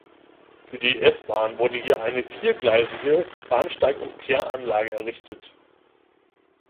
Für die S-Bahn wurde hier eine viergleisige Bahnsteig- und Kehranlage errichtet.